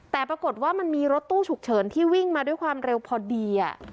แต่ปรากฏว่ามันมีรถตู้ฉุกเฉินที่วิ่งมาด้วยความเร็วพอดี